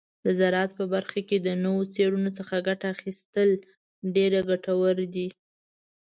د زراعت په برخه کې د نوو څیړنو څخه ګټه اخیستل ډیر ګټور دي.